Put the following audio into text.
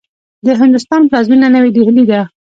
د هندوستان پلازمېنه نوې ډيلې دې.